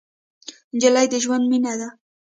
نجلۍ د ژوند مینه ده.